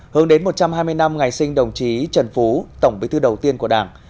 hướng đến một trăm hai mươi năm ngày sinh đồng chí trần phú tổng bí thư đầu tiên của đảng